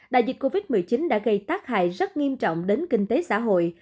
đại dịch covid một mươi chín đã gây tác hại rất nghiêm trọng đến kinh tế xã hội